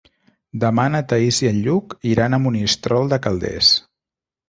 Demà na Thaís i en Lluc iran a Monistrol de Calders.